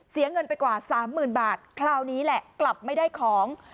เสียเงินไปกว่าสามหมื่นบาทคราวนี้แหละกลับไม่ได้ของ